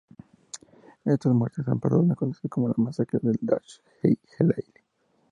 Estas muertes han pasado a conocerse como la Masacre de Dasht-i-Leili.